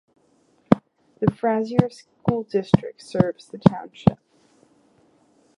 The Frazier School District serves the township.